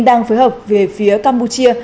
đang phối hợp về phía campuchia